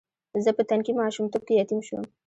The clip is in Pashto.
زه په تنکي ماشومتوب کې یتیم شوم.